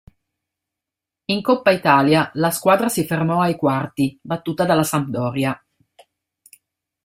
In Coppa Italia la squadra si fermò ai quarti, battuta dalla Sampdoria.